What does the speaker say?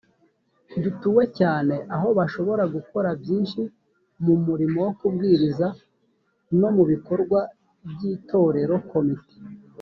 dutuwe cyane aho bashobora gukora byinshi mu murimo wo kubwiriza no mu bikorwa by itorero komite